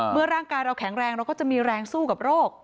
ร่างกายเราแข็งแรงเราก็จะมีแรงสู้กับโรค